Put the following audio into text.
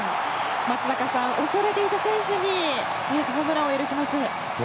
松坂さん、恐れていた選手にホームランを許します。